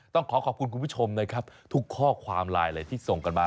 ต้องขอขอบคุณคุณผู้ชมนะครับทุกข้อความไลน์เลยที่ส่งกันมา